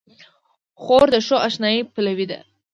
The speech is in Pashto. خور د ښو اشنايي پلوي ده.